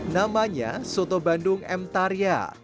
namanya soto bandung m tarya